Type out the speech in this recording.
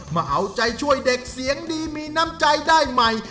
มาเอาใจช่วยเด็กเสียงดีมีน้ำใจได้ใหม่